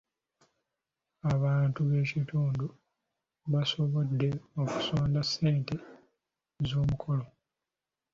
Abantu b'ekitundu baasobodde okusonda ssente ez'omukolo.